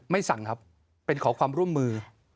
สั่งครับเป็นขอความร่วมมือ